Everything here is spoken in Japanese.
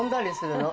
の